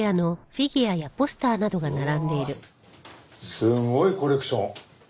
すごいコレクション。